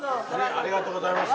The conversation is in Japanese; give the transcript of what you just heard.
ありがとうございます。